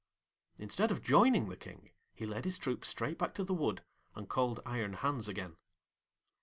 Instead of joining the King, he led his troop straight back to the wood and called Iron Hans again.